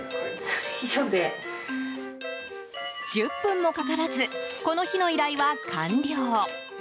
１０分もかからずこの日の依頼は完了。